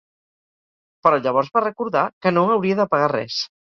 Però llavors va recordar que no hauria de pagar res.